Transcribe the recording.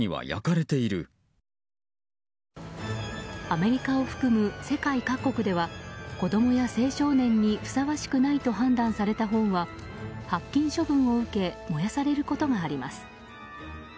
アメリカを含む世界各地では子供や青少年にふさわしくないと判断された本は発禁処分を受け燃やされることがあります。